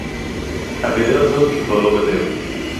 הגדר הזאת היא כבר לא גדר